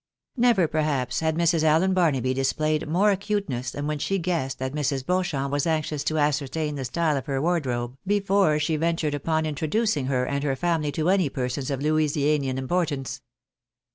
Never, perhaps, had Mrs. Allen Barnaby displayed more acuteness than when she guessed that Mrs. Beauchamp was anxious to ascertain the style of her wardrobe, before she ventured upon introducing her and her family to any persons of Louisianian, importance.